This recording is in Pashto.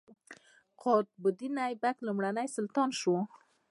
قطب الدین ایبک لومړی سلطان شو.